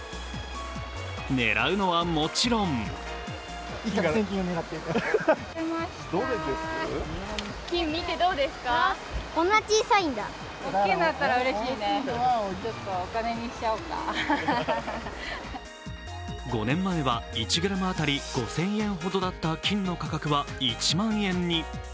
狙うのはもちろん５年前は１ｇ当たり５０００円ほどだった金の価格は１万円に。